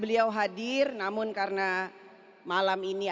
yang saya hormati ketua umum partai perindu bapak haritanu sudibyo